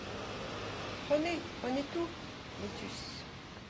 Prenez, prenez tout ! MOTUS.